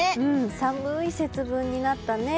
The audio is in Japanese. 寒い節分になったね。